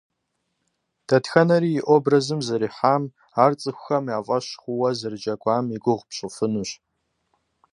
Дэтхэнэри и образым зэрихьам, ар цӏыхухэм я фӏэщ хъууэ зэрыджэгуам и гугъу пщӏыфынущ.